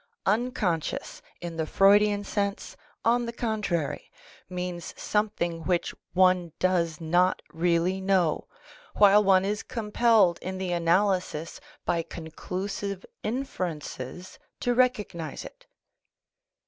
'''^ Uncon scious, in the Freudian sense, on the contrary, means something which one does not really know, while one is compelled in the analysis by conclusive inferences to recognize it.